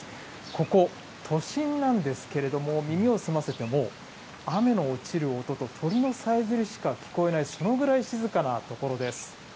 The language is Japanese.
ここ、都心なんですけれども、耳を澄ませても、雨の落ちる音と鳥のさえずりしか聞こえない、そのぐらい静かな所です。